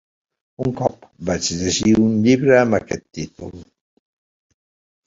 Un cop vaig llegir un llibre amb aquest títol.